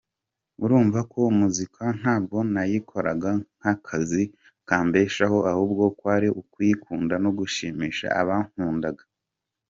Urumva ko muzika ntabwo nayikoraga nk’akazi kambeshaho ahubwo kwari ukuyikunda no gushimisha abankundaga.